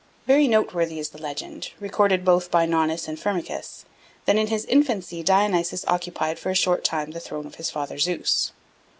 Very noteworthy is the legend, recorded both by Nonnus and Firmicus, that in his infancy Dionysus occupied for a short time the throne of his father Zeus.